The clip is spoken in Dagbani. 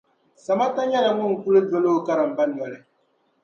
Samata nyɛla ŋun kuli doli o karimba noli.